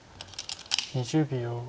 ２０秒。